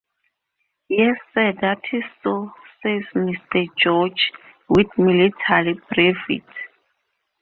"Yes, sir, that is so," says Mr. George with military brevity.